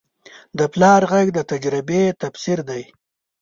د پلار غږ د تجربې تفسیر دی